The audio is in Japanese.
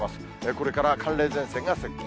これから寒冷前線が接近。